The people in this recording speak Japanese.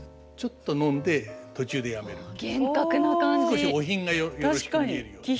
少しお品がよろしく見えるように。